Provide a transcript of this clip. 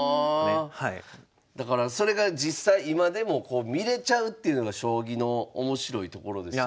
だからそれが実際今でも見れちゃうというのが将棋の面白いところですよね。